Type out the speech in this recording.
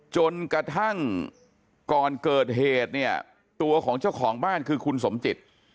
จนกระทั่งก่อนเกิดเหตุเนี่ยตัวของเจ้าของบ้านคือคุณสมจิต